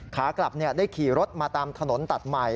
ขากลับได้ขี่รถมาตามถนนตัดใหม่